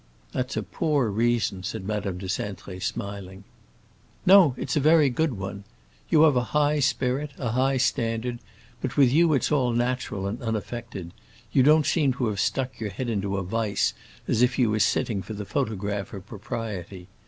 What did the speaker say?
"That's a poor reason," said Madame de Cintré, smiling. "No, it's a very good one. You have a high spirit, a high standard; but with you it's all natural and unaffected; you don't seem to have stuck your head into a vise, as if you were sitting for the photograph of propriety.